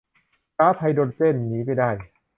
ก๊าซไฮโดรเจนหนีไปได้